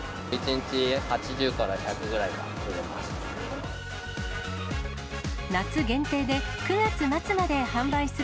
１日８０から１００ぐらいは売れます。